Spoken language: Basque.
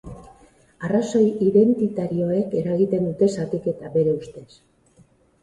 Arrazoi identitarioek eragiten dute zatiketa, bere ustez.